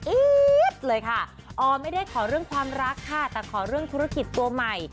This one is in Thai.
เลยค่ะออไม่ได้ขอเรื่องความรักค่ะแต่ขอเรื่องธุรกิจตัวใหม่